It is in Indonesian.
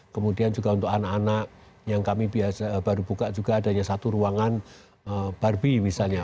kemudian juga untuk anak anak yang kami baru buka juga adanya satu ruangan barbie misalnya